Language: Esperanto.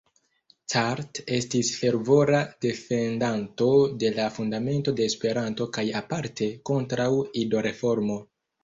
Cart estis fervora defendanto de la Fundamento de Esperanto kaj aparte kontraŭ Ido-reformo.